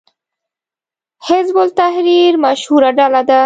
حزب التحریر مشهوره ډله ده